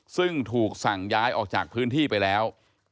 ซึ่งถูกสั่งย้ายออกจากพื้นที่ไปแล้ว